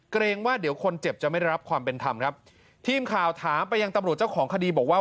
เกรงว่าเดี๋ยวคนเจ็บจะไม่ได้รับความเป็นธรรมครับทีมข่าวถามไปยังตำรวจเจ้าของคดีบอกว่า